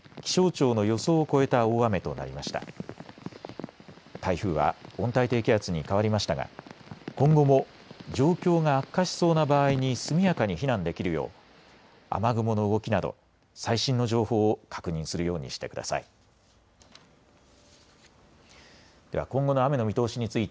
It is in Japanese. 台風は温帯低気圧に変わりましたが今後も状況が悪化しそうな場合に速やかに避難できるよう雨雲の動きなど最新の情報を確認するようにしてください。